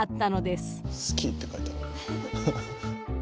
「すき」って書いてある。